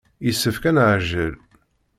Yessefk ad neɛjel.